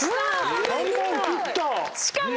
しかも。